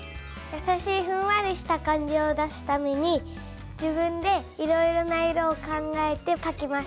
やさしいふんわりした感じを出すために自分でいろいろな色を考えてかきました。